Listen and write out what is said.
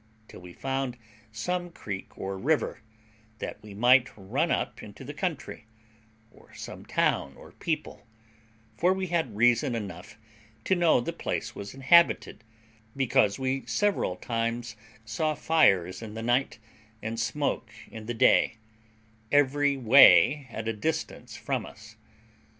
till we found some creek or river, that we might run up into the country, or some town or people; for we had reason enough to know the place was inhabited, because we several times saw fires in the night, and smoke in the day, every way at a distance from us.